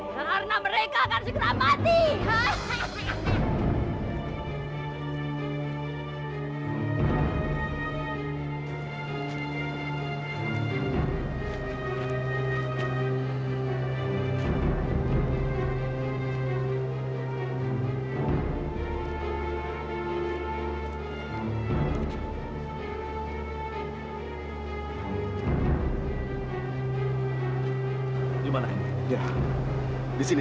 kamu akan menjadi kau